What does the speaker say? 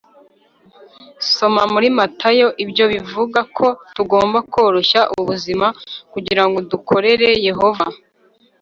Soma muri Matayo Ibyo bivuga ko tugomba koroshya ubuzima kugira ngo dukorere Yehova